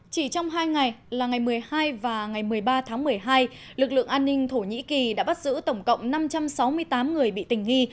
chỉ trong hai ngày là ngày một mươi hai và ngày một mươi ba tháng một mươi hai lực lượng an ninh thổ nhĩ kỳ đã bắt giữ tổng cộng năm trăm sáu mươi tám người bị tình nghi